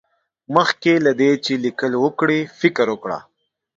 مخکې له دې چې ليکل وکړې، فکر وکړه.